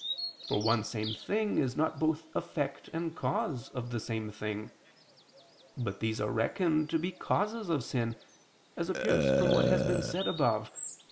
For one same thing is not both effect and cause of the same thing. But these are reckoned to be causes of sin, as appears from what has been said above (Q.